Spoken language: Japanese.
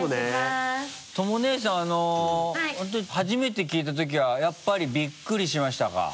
とも姉さんあの本当に初めて聞いたときはやっぱりびっくりしましたか？